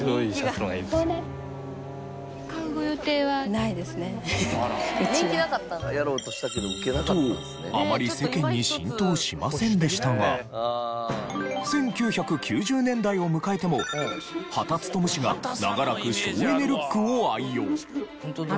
ないですねうちは。とあまり世間に浸透しませんでしたが１９９０年代を迎えても羽田孜氏が長らく省エネルックを愛用。